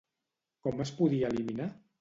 Com es podia eliminar?